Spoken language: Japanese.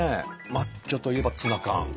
マッチョといえばツナ缶。